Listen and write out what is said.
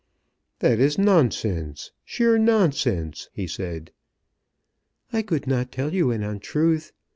"That is nonsense, sheer nonsense," he said. "I could not tell you an untruth.